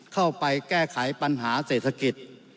เข้าไปแก้ไขปัญหาเศรษฐกิจ